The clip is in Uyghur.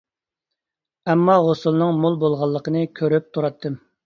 ئەمما ھوسۇلنىڭ مول بولغانلىقىنى كۆرۈپ تۇراتتىم.